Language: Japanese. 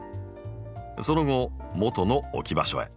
その後もとの置き場所へ。